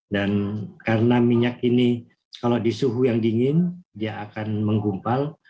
dan karena minyak ini kalau di suhu yang dingin dia akan menggumpal